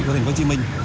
của thành phố hồ chí minh